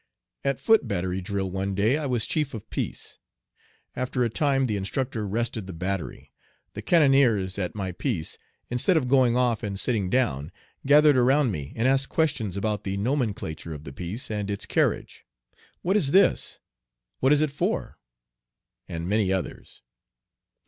At foot battery drill one day I was chief of piece. After a time the instructor rested the battery. The cannoneers at my piece, instead of going off and sitting down, gathered around me and asked questions about the nomenclature of the piece and its carriage. "What is this?" "What is it for?" and many others.